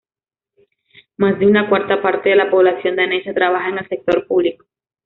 Más de una cuarta parte de la población danesa trabaja en el sector público.